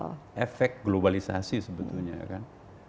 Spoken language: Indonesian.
nah ini efek globalisasi sebetulnya ya kan